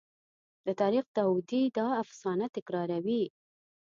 د تاریخ داودي دا افسانه تکراروي.